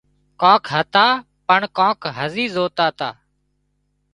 ڪانڪ هتا پڻ ڪانڪ هزي زوتا تا